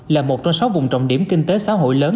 là một trong sáu vùng trọng điểm kinh tế xã hội lớn